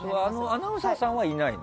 アナウンサーさんはいないの？